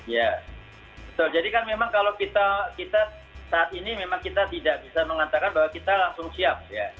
ya betul jadi kan memang kalau kita saat ini memang kita tidak bisa mengatakan bahwa kita langsung siap ya